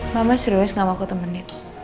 mama serius gak mau aku temenin